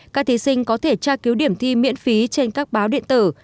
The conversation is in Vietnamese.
các thí sinh có thể tra cứu điểm thi miễn phí trên các báo điện tử